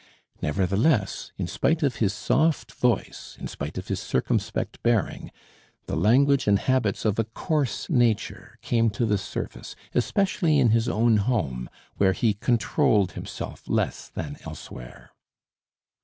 Nevertheless, in spite of his soft voice, in spite of his circumspect bearing, the language and habits of a coarse nature came to the surface, especially in his own home, where he controlled himself less than elsewhere.